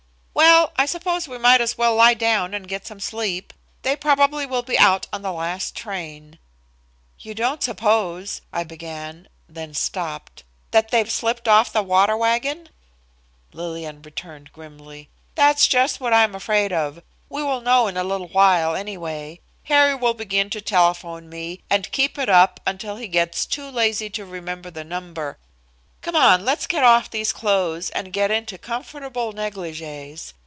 "Well, I suppose we might as well lie down and get some sleep. They probably will be out on the last train." "You don't suppose," I began, then stopped. "That they've slipped off the water wagon?" Lillian returned grimly. "That's just what I'm afraid of. We will know in a little while, anyway. Harry will begin to telephone me, and keep it up until he gets too lazy to remember the number. Come on, let's get off these clothes and get into comfortable negligees.